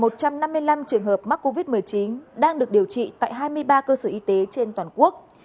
một trăm năm mươi năm trường hợp mắc covid một mươi chín đang được điều trị tại hai mươi ba cơ sở y tế trên toàn quốc